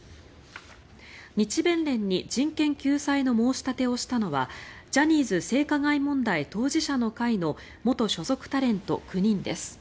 日弁連に人権救済の申し立てをしたのはジャニーズ性加害問題当事者の会の元所属タレント９人です。